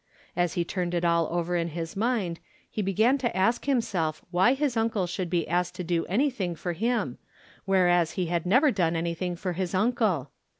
As he turned it all over in his mind he began to ask himself why his uncle should be asked to do anything for him, whereas he had never done anything for his uncle.